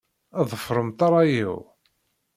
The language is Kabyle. Ḍefṛemt ṛṛay-iw.